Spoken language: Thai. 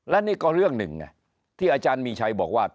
และนี่ก็เรื่องหนึ่งที่อาจารย์มีชัยบอกว่า